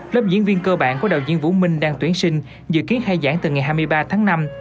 lớp diễn viên cơ bản của đạo diễn vũ minh đang tuyển sinh dự kiến khai giảng từ ngày hai mươi ba tháng năm